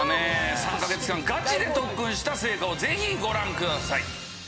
３か月間、ガチで特訓した成果をぜひご覧ください。